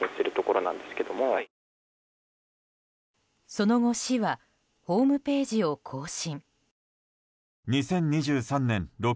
その後、市はホームページを更新。